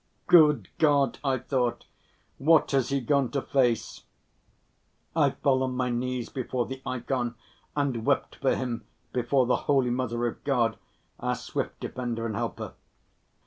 "Good God," I thought, "what has he gone to face!" I fell on my knees before the ikon and wept for him before the Holy Mother of God, our swift defender and helper.